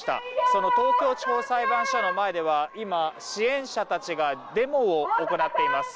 その東京地方裁判所の前では今、支援者たちがデモを行っています。